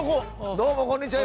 どうもこんにちは。